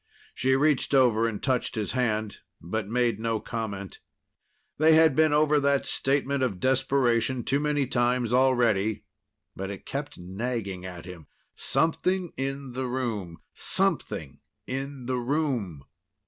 She reached over and touched his hand, but made no comment. They had been over that statement of desperation too many times already. But it kept nagging at him something in the room, something in the room!